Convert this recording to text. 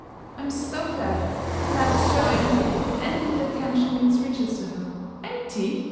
'I'm so glad! Her life is so empty that any little attention means riches to her.' 'Empty!'